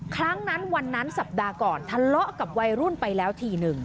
ครั้งนั้นวันนั้นสัปดาห์ก่อนทะเลาะกับวัยรุ่นไปแล้วทีนึง